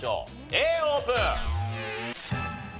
Ａオープン！